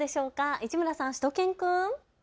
市村さん、しゅと犬くん。